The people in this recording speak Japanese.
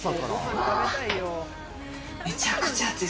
めちゃくちゃ暑い。